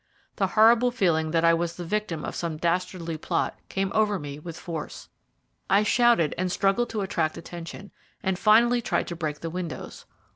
The horrible feeling that I was the victim of some dastardly plot came over me with force. I shouted and struggled to attract attention, and finally tried to break the windows.